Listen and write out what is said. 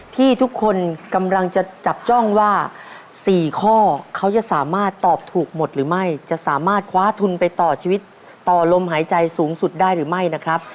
ที่ทุกคนกำลังจะจับจ้องว่า๔ข้อเขาจะสามารถตอบถูกหมดหรือไม่จะสามารถคว้าทุนไปต่อชีวิตต่อลมหายใจสูงสุดได้หรือไม่นะครับ